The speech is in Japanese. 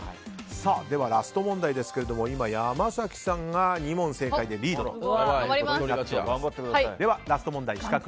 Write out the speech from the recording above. ではラスト問題ですが今、山崎さんが２問正解でリードということになりました。